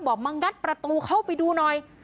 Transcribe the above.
บอกมางัดประตูเข้าไปดูหน่อย